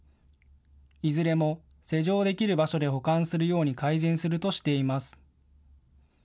いずれも施錠できる場所で保管するように改善するとしています。